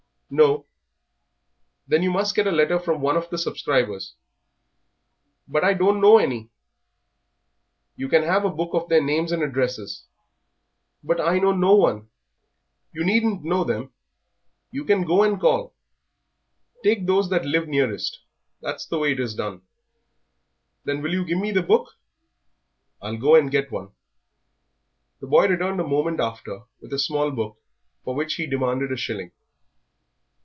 "No." "Then you must get a letter from one of the subscribers." "But I do not know any." "You can have a book of their names and addresses." "But I know no one." "You needn't know them. You can go and call. Take those that live nearest that's the way it is done." "Then will you give me the book?" "I'll go and get one." The boy returned a moment after with a small book, for which he demanded a shilling.